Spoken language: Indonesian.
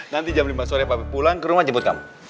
nanti jam lima sore pak bep pulang ke rumah jemput kamu